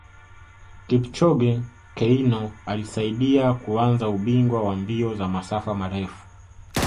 Kipchoge Keino alisaidia kuanza ubingwa wa mbio za masafa marefu